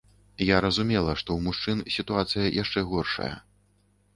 Я разумела, што ў мужчын сітуацыя яшчэ горшая.